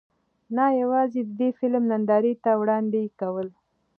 نۀ يواځې د دې فلم نندارې ته وړاندې کول